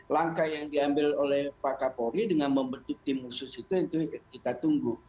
langkah yang diambil oleh pak kapolri dengan membentuk tim khusus itu kita tunggu